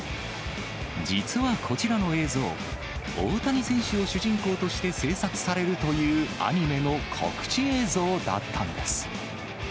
実はこちらの映像、大谷選手を主人公として制作されるというアニメの告知映像だったんです。